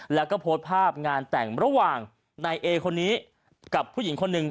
แล้วก็โพสต์ภาพงานแต่งระหว่างนายเอคนนี้กับผู้หญิงคนหนึ่ง